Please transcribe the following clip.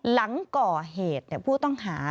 หลังก่อเหตุผู้ต้องหา